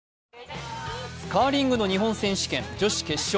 カーリングの日本選手権女子決勝。